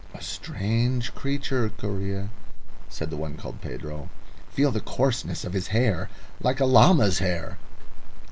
"A strange creature, Correa," said the one called Pedro. "Feel the coarseness of his hair. Like a llama's hair."